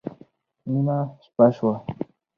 نېمه شپه شوه